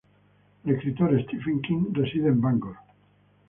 El escritor Stephen King reside en Bangor.